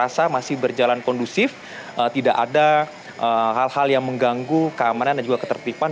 rasa masih berjalan kondusif tidak ada hal hal yang mengganggu keamanan dan juga ketertiban